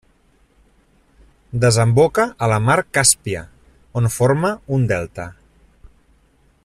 Desemboca a la mar Càspia, on forma un delta.